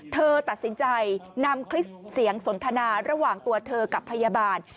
เธอตัดสินใจนำคลิปเสียงสนทนาระหว่างตัวเธอกับพยาบาล